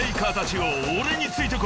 俺についてこい］